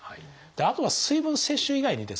あとは水分摂取以外にですね